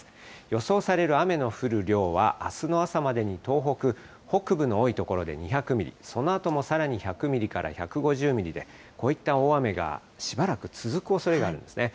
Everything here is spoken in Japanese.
予想される雨の降る量は、あすの朝までに東北北部の多い所で２００ミリ、そのあともさらに１００ミリから１５０ミリで、こういった大雨がしばらく続くおそれがあるんですね。